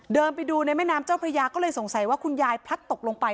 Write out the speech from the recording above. เดินไปดูในแม่น้ำเจ้าพระยาก็เลยสงสัยว่าคุณยายพลัดตกลงไป